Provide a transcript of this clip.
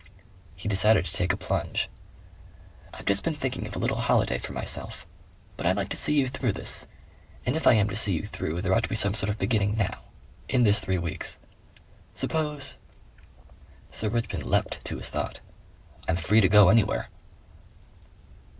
He decided to take a plunge. "I've just been thinking of a little holiday for myself. But I'd like to see you through this. And if I am to see you through, there ought to be some sort of beginning now. In this three weeks. Suppose...." Sir Richmond leapt to his thought. "I'm free to go anywhere."